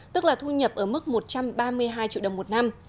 tức là thu nhập ở mức một trăm ba mươi hai triệu đồng một năm